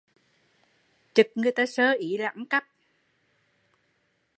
Chực người ta sơ ý là ăn cắp